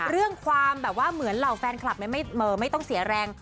เรื่องความแบบว่าเหมือนเหล่าแฟนคลับไม่ต้องเสียแรง